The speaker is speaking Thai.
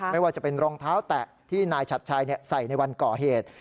ไม่ว่าจะเป็นรองเท้าแตะที่นายฉัดชัยใส่ในวันก่อเหตุ